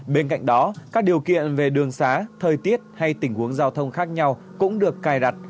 bên cạnh đó các điều kiện về đường xá thời tiết hay tình huống giao thông khác nhau cũng được cài đặt